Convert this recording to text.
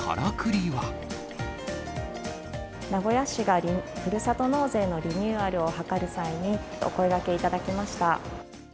名古屋市がふるさと納税のリニューアルを図る際に、お声がけいただきました。